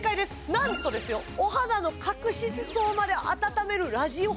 なんとお肌の角質層まで温めるラジオ波